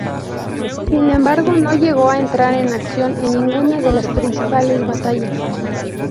Sin embargo, no llegó a entrar en acción en ninguna de las principales batallas.